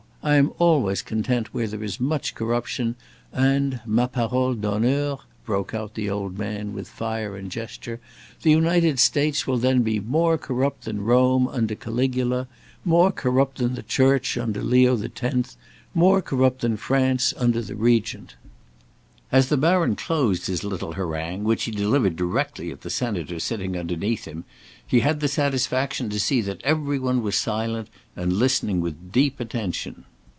I am always content where there is much corruption, and ma parole d'honneur!" broke out the old man with fire and gesture, "the United States will then be more corrupt than Rome under Caligula; more corrupt than the Church under Leo X.; more corrupt than France under the Regent!" As the baron closed his little harangue, which he delivered directly at the senator sitting underneath him, he had the satisfaction to see that every one was silent and listening with deep attention.